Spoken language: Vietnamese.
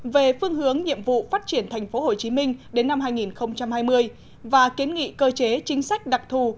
về phương hướng nhiệm vụ phát triển tp hcm đến năm hai nghìn hai mươi và kiến nghị cơ chế chính sách đặc thù